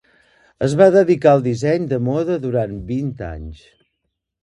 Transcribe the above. Es va dedicar al disseny de moda durant vint anys.